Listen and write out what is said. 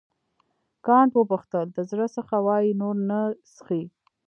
کانت وپوښتل د زړه څخه وایې نور نه څښې.